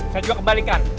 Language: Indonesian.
saya juga kembalikan